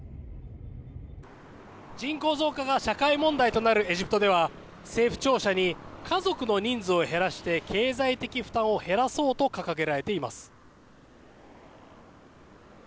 人口増加が社会問題となるエジプトでは政府庁舎に家族の人数を減らして経済的負担を減らそうと掲げられています。